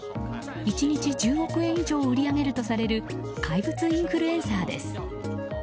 １日１０億円以上を売り上げるとされる怪物インフルエンサーです。